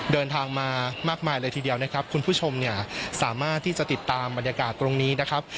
เดินทางมามากมายเลยทีเดียวนะครับคุณผู้ชมเนี่ยสามารถที่จะติดตามบรรยากาศตรงนี้นะครับ